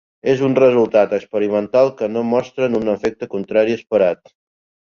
És un resultat experimental que no mostren un efecte contrari esperat.